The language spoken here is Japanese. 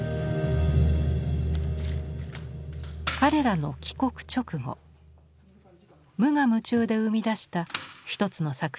彼らの帰国直後無我夢中で生み出した一つの作品がある。